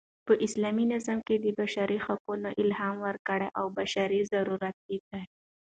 په اسلامي نظام کښي د بشر حقونه الهي ورکړه او بشري ضرورت دئ.